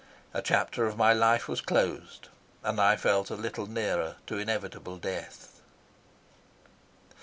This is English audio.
A chapter of my life was closed, and I felt a little nearer to inevitable death.